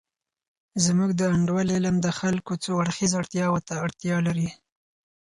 زمونږ د انډول علم د خلګو څو اړخیزه اړتیاوو ته اړتیا لري.